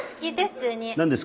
何ですか？